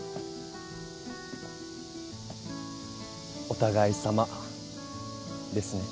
お互いさまですね。